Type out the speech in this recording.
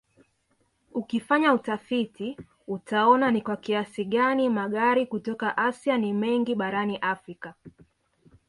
Ukifanya utafiti utaona ni kwa kiasi gani magari kutoka Asia ni mengi barani Afrika